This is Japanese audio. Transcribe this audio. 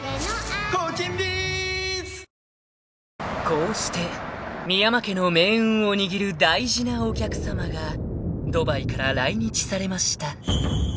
［こうして深山家の命運を握る大事なお客さまがドバイから来日されました］